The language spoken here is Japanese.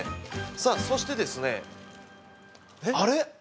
さあ、そしてですねあれ？